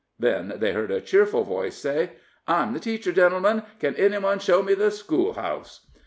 Then they heard a cheerful voice say: "I'm the teacher, gentlemen can any one show me the schoolhouse?"